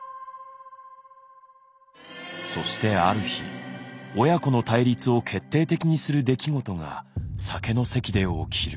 そしてある日親子の対立を決定的にする出来事が酒の席で起きる。